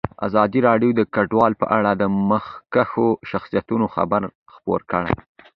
ازادي راډیو د کډوال په اړه د مخکښو شخصیتونو خبرې خپرې کړي.